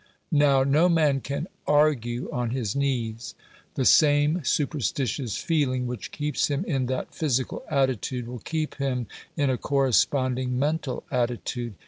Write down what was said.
Now no man can ARGUE on his knees. The same superstitious feeling which keeps him in that physical attitude will keep him in a corresponding mental attitude.